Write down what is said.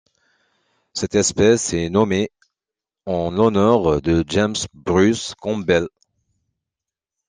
Cette espèce est nommée en l'honneur de James Bruce Campbell.